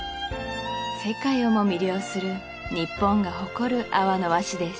世界をも魅了する日本が誇る阿波の和紙です